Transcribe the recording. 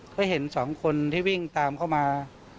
ก็เห็นสองคนที่วิ่งตามเข้ามา